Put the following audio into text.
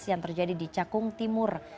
yang terjadi di cakung timur